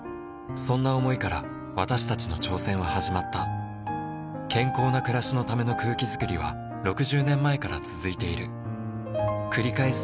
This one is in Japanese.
そんな想いから私たちの挑戦は始まった健康な暮らしのための空気づくりは６０年前から続いている繰り返す